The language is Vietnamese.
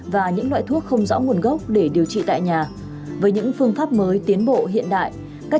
và cảm ơn bác sĩ vì những chia sẻ rất cục